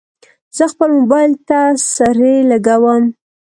زه خپل موبایل ته سرۍ لګوم.